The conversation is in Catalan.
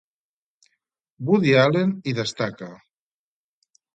Woody Allen hi destaca.